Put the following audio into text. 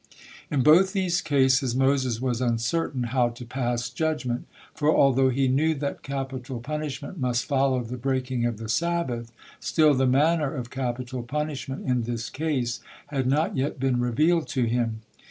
In both these cases Moses was uncertain how to pass judgement, for, although he knew that capital punishment must follow the breaking of the Sabbath, still the manner of capital punishment in this case had not yet been revealed to him.